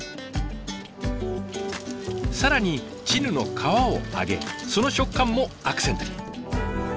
更にチヌの皮を揚げその食感もアクセントに。